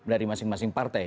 dari masing masing partai